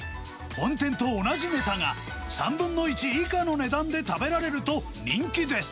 本店と同じネタが３分の１以下の値段で食べられると人気です。